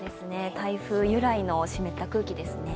台風由来の湿った空気ですね。